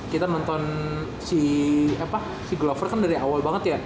kita nonton si glover kan dari awal banget ya